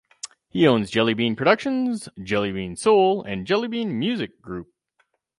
He owns Jellybean Productions, Jellybean Soul and Jellybean Music Group.